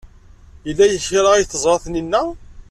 Yella kra ay teẓra Taninna?